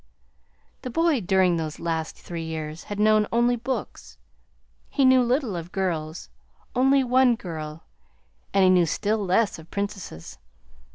"The boy, during those last three years, had known only books. He knew little of girls only one girl and he knew still less of Princesses.